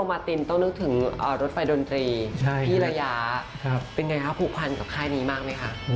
เป็นไงครับผูกพันกับไข้นี้มากไหมครับ